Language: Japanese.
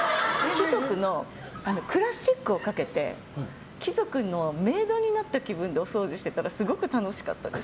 貴族のクラシックをかけて貴族のメイドになった気分でお掃除してたらすごく楽しかったです。